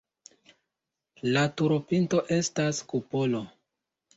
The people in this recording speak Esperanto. La turopinto estas kupolo.